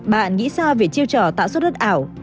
bạn nghĩ sao về chiêu trò tạo xuất đất ảo